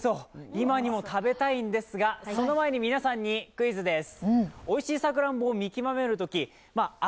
今にも食べたいんですがその前に皆さんにクイズです。